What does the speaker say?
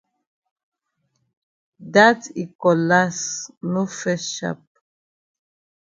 Dat yi cutlass no fes sharp.